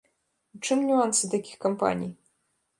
У чым нюансы такіх кампаній?